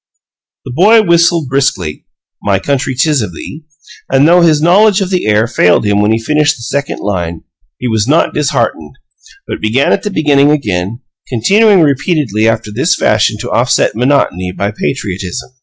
The boy whistled briskly, "My country, 'tis of thee," and though his knowledge of the air failed him when he finished the second line, he was not disheartened, but began at the beginning again, continuing repeatedly after this fashion to offset monotony by patriotism.